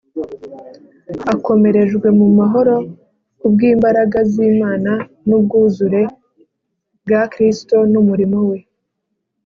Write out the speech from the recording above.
"akomerejwe mu mahoro" ku bw'imbaraga z'Imana n'ubwuzure bwa Kristo n’umurimo we.